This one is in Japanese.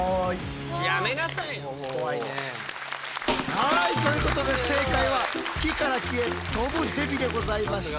はいということで正解は木から木へ飛ぶヘビでございました。